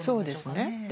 そうですね。